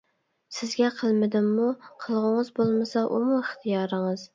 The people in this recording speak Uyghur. — سىزگە قىلمىدىممۇ؟ — قىلغۇڭىز بولمىسا ئۇمۇ ئىختىيارىڭىز.